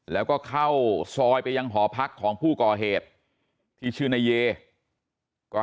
แล้วก็เข้าซอยไปยังหอพักของผู้ก่อเหตุที่ชื่อนายเยก็